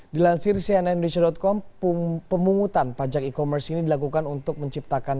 dilansir cnn indonesia com pemungutan pajak e commerce ini dilakukan untuk menciptakan